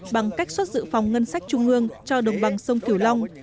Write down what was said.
bằng cách xuất dự phòng ngân sách trung ương cho đồng bằng sông kiều long